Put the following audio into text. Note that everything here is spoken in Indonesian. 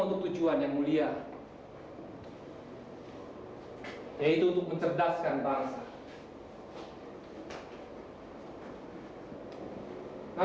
yang dengan sukarela matang